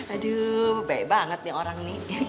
aduh baik banget nih orang nih